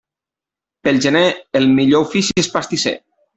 Pel gener, el millor ofici és pastisser.